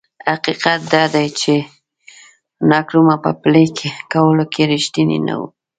حقیقت دا دی چې نکرومه په پلي کولو کې رښتینی نه و.